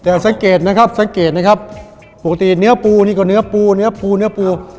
แต่สังเกตนะครับสังเกตนะครับปกติเนื้อปูนี่ก็เนื้อปูเนื้อปูเนื้อปู